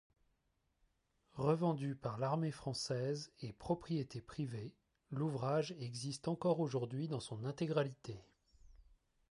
Revendu par l'armée française et propriété privée, l'ouvrage existe encore aujourd'hui dans son intégralité.